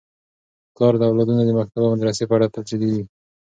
پلار د اولادونو د مکتب او مدرسې په اړه تل جدي وي.